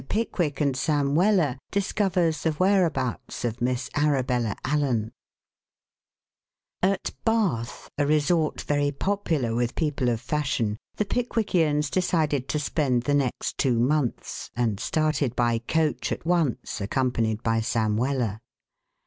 PICKWICK AND SAM WELLER DISCOVERS THE WHEREABOUTS OF MISS ARABELLA ALLEN At Bath, a resort very popular with people of fashion, the Pickwickians decided to spend the next two months, and started by coach at once, accompanied by Sam Weller.